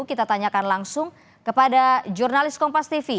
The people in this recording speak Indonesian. kita tanyakan langsung kepada jurnalis kompas tv